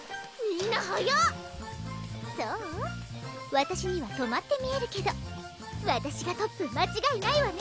わたしには止まって見えるけどわたしがトップ間違いないわね